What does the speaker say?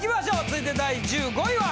続いて第１５位は！